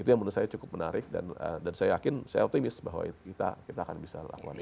itu yang menurut saya cukup menarik dan saya yakin saya optimis bahwa kita akan bisa lakukan itu